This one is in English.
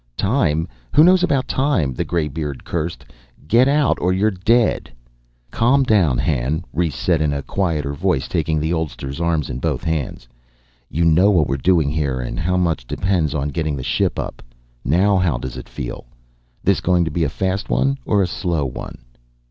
"Time! Who knows about time!" the graybeard cursed. "Get out or you're dead." "Calm down, Han," Rhes said in a quieter voice, taking the oldster's arms in both his hands. "You know what we're doing here and how much depends on getting the ship up. Now how does it feel? This going to be a fast one or a slow one?"